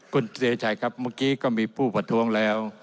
คุณพิเศษชัยครับเมื่อกี้ก็มีผู้ผ่วยแล้ว